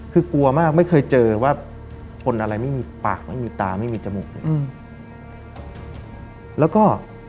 คือกลัวมากไม่เคยเจอว่าคนอะไรไม่มีปากไม่มีตาไม่มีจมูกเลยแล้วก็